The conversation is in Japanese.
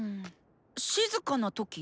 静かな時？